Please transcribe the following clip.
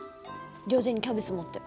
両手にキャベツ持って。